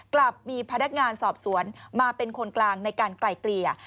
กลับมีพนักงานสอบสวนมาเป็นคนกลางในการไกลเกลี่ย